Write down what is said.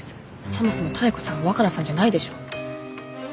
そもそも妙子さん若菜さんじゃないでしょ。